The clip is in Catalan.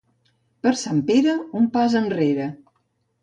Per Sant Pere, un pas enrere.